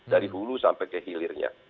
dari hulu sampai ke hilirnya